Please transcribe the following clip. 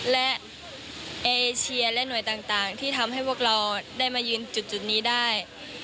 และเอเชียและหน่วยต่างที่ทำให้พวกเราได้มายืนจุดนี้ได้